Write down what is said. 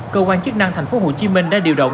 cơ quan chức năng tp hcm đã điều động